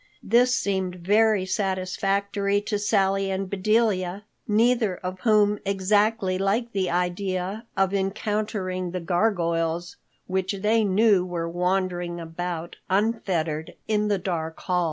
This seemed very satisfactory to Sally and Bedelia, neither of whom exactly liked the idea of encountering the gargoyles which they knew were wandering about, unfettered, in the dark halls.